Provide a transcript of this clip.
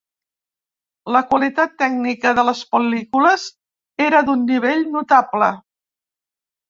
La qualitat tècnica de les pel·lícules era d'un nivell notable.